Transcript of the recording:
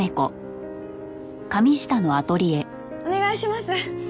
お願いします！